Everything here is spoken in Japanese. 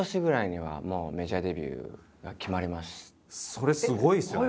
それすごいですよね。